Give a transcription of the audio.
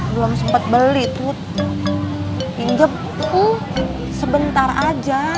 belum sempet beli tut pinjem sebentar aja